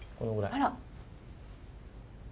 あら。